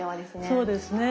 そうですね。